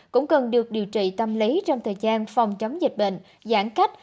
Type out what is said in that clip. cũng cần được điều trị tâm lý trong thời gian phòng chống dịch bệnh giãn cách